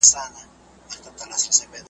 د خُم له زخمي زړه مو د مُغان ویني څڅېږي .